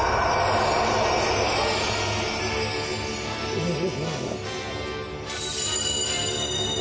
おお！